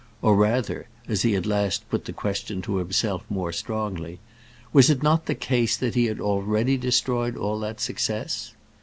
or rather, as he at last put the question to himself more strongly, was it not the case that he had already destroyed all that success?